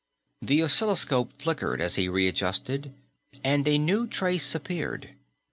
The oscilloscope flickered as he readjusted, a new trace appeared.